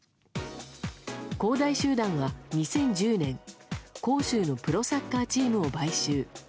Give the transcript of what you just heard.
恒大集団は２０１０年広州のプロサッカーチームを買収。